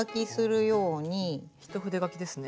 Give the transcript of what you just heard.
一筆書きですね。